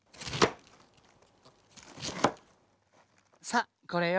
さあこれよ。